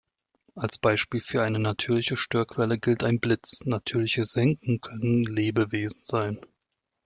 Als Beispiel für eine natürliche Störquelle gilt ein Blitz, natürliche Senken können Lebewesen sein.